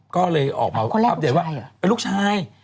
ก็เลยออกมาอัปเดตว่าเป็นลูกชาย